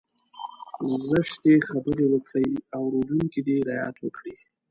زشتې خبرې وکړي اورېدونکی دې رعايت وکړي.